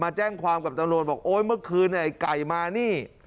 แจ้งความกับตำรวจบอกโอ๊ยเมื่อคืนไอ้ไก่มานี่